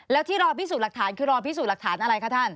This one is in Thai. แล้วที่รอพิสูจน์หลักฐานคือรอพิสูจน์หลักฐานอะไรคะท่าน